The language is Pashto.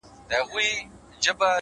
هره ستونزه د حل تخم لري.!